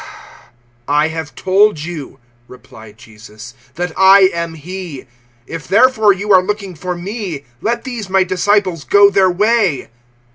018:008 "I have told you," replied Jesus, "that I am he. If therefore you are looking for me, let these my disciples go their way."